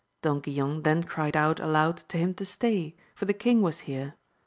Don Guilan then cried out aloud to him to stay, for the king was here.